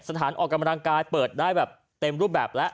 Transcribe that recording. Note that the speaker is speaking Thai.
สถานออกกำลังกายเปิดได้แบบเต็มรูปแบบแล้ว